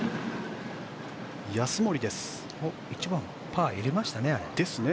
１番、パー入れましたね。ですね。